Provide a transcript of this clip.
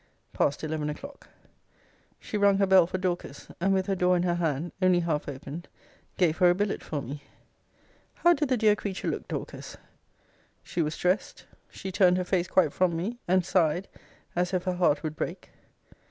PAST ELEVEN O'CLOCK. She rung her bell for Dorcas; and, with her door in her hand, only half opened, gave her a billet for me. How did the dear creature look, Dorcas? She was dressed. She turned her face quite from me; and sighed, as if her heart would break.